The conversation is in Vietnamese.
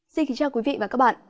xin kính chào quý vị và các bạn